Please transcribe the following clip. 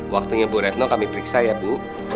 waktunya bu retno kami periksa ya bu